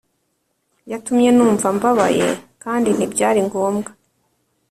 Yatumye numva mbabaye kandi ntibyari ngombwa